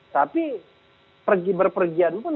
tapi pergi berpergian pun